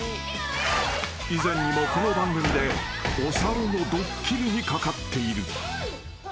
［以前にもこの番組でお猿のドッキリにかかっている］